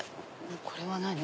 これは何？